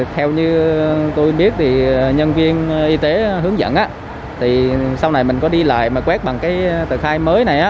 theo như tôi biết nhân viên y tế hướng dẫn sau này mình có đi lại mà quét bằng tờ khai mới này